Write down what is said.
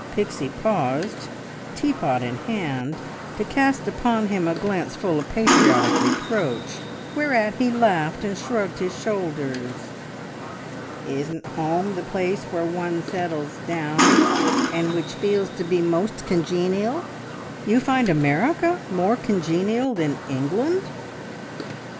Pixie paused, teapot in hand, to cast upon him a glance full of patriotic reproach, whereat he laughed and shrugged his shoulders. "Isn't home the place where one settles down, and which feels to be most congenial?" "You find America more congenial than England?"